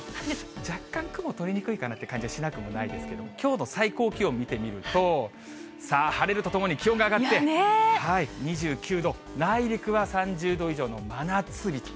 若干雲、取れにくいかなという感じがしなくもないですけど、きょうの最高気温見てみると、さあ、晴れるとともに気温が上がって、２９度、内陸は３０度以上の真夏日と。